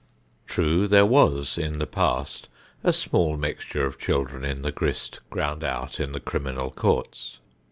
True, there was in the past a small mixture of children in the grist ground out in the criminal courts.